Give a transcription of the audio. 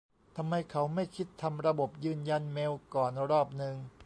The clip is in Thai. ทำไมเขาไม่คิดทำระบบยืนยันเมลก่อนรอบนึง